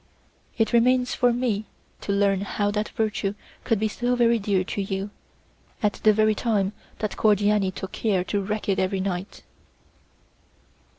It remains for me to learn how that virtue could be so very dear to you, at the very time that Cordiani took care to wreck it every night."